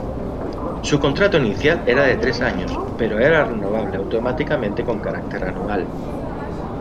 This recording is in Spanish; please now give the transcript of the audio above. Su contrato inicial era de tres años, pero era renovable automáticamente con carácter anual.